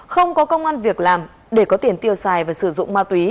không có công an việc làm để có tiền tiêu xài và sử dụng ma túy